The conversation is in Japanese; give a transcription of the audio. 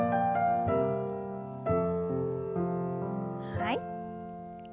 はい。